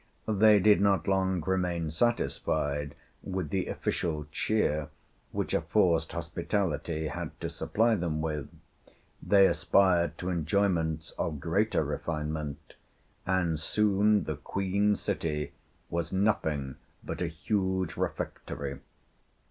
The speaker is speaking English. They did not long remain satisfied with the official cheer which a forced hospitality had to supply them with. They aspired to enjoyments of greater refinement; and soon the Queen City was nothing but a huge refectory.